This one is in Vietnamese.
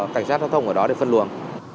cảnh sát giao thông ở đó để phân luồng